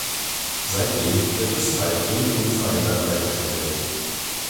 Seitdem wird es weitgehend unverändert hergestellt.